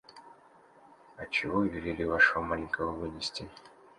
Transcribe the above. Отчего вы велели вашего маленького вынести?